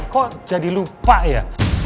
kok jadi lupa ya